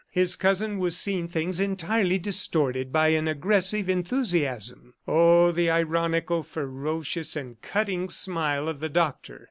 His cousin was seeing things entirely distorted by an aggressive enthusiasm. Oh, the ironical, ferocious and cutting smile of the Doctor!